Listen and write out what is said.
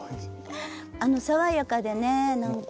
爽やかでね何か。